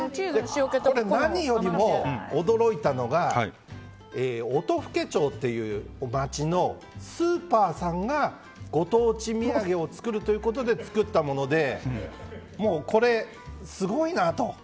何よりも驚いたのが音更町という町のスーパーさんがご当地土産を作るということで作ったもので、これすごいなと。